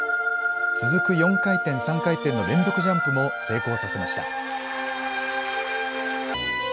続く４回転・３回転の連続ジャンプも成功させました。